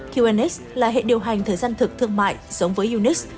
qnx là hệ điều hành thời gian thực thương mại giống với unich